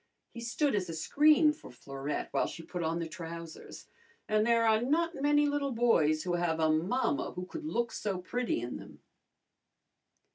He stood as a screen for Florette while she put on the trousers, and there are not many little boys who have a mamma who could look so pretty in them.